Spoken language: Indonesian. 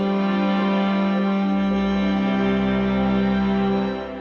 kau tidak perlu menghilangkan kesedihanmu